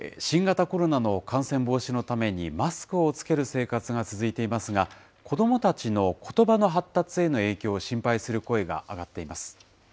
新型コロナの感染防止のためにマスクを着ける生活が続いていますが、子どもたちのことばの発達への影響を心配する声が上がっています。